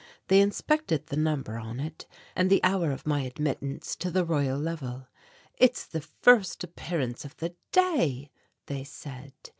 They inspected the number of it and the hour of my admittance to the Royal Level. "It is the first appearance of the day," they said.